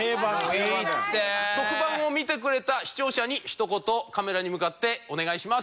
特番を見てくれた視聴者にひと言カメラに向かってお願いします。